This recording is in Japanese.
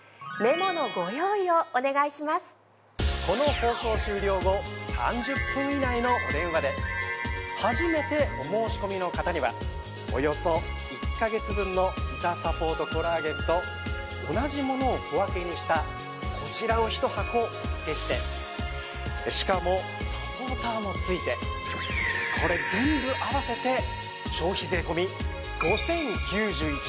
この放送終了後３０分以内のお電話で初めてお申し込みの方にはおよそ１ヵ月分のひざサポートコラーゲンと同じものを小分けにしたこちらを１箱お付けしてしかもサポーターも付いてこれ全部合わせて。